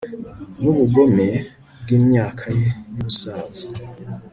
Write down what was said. Nubugome bwimyaka ye yubusaza